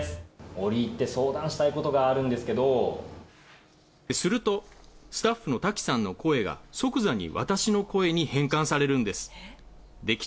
折り入って相談したいことがあるすると、スタッフの滝さんの声が即座に私の声に変換されるんです。